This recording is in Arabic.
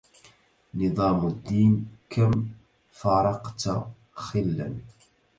نظام الدين كم فارقت خلا